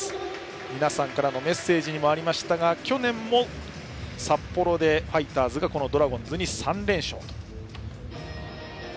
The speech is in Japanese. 皆さんからのメッセージにもありましたが去年も札幌でファイターズがドラゴンズに３連勝と。